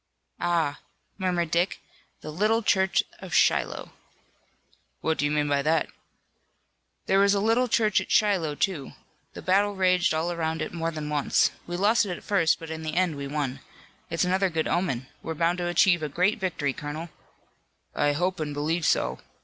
"Ah," murmured Dick, "the little church of Shiloh!" "What do you mean by that?" "There was a little church at Shiloh, too. The battle raged all around it more than once. We lost it at first, but in the end we won. It's another good omen. We're bound to achieve a great victory, colonel." "I hope and believe so.